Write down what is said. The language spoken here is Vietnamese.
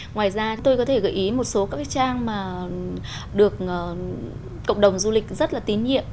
ngoài ra tôi có thể gợi ý một số các cái trang mà được cộng đồng du lịch rất là tín nhiệm